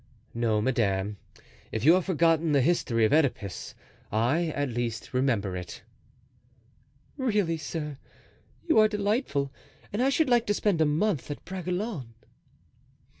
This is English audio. "No, madame; if you have forgotten the history of Oedipus, I, at least, remember it." "Really, sir, you are delightful, and I should like to spend a month at Bragelonne."